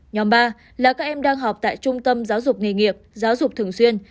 nhóm ba là các em đang học tại trung tâm giáo dục nghề nghiệp giáo dục thường xuyên